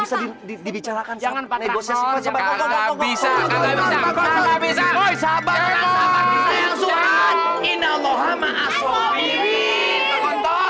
bisa dibicarakan jangan bisa bisa